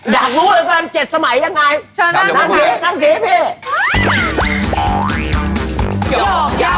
ได้รู้เลย๗สมัยดูง่าย